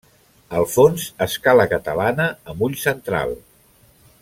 Al fons, escala catalana amb ull central.